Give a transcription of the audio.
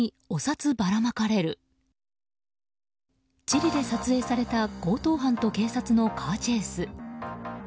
チリで撮影された強盗犯と警察のカーチェイス。